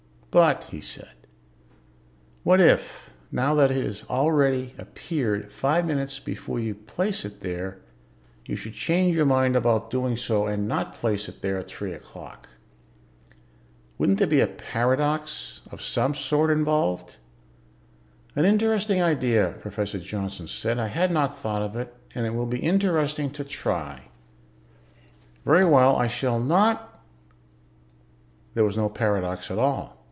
"But," he said, "what if, now that it has already appeared five minutes before you place it there, you should change your mind about doing so and not place it there at three o'clock? Wouldn't there be a paradox of some sort involved?" "An interesting idea," Professor Johnson said. "I had not thought of it, and it will be interesting to try. Very well, I shall not ..." There was no paradox at all.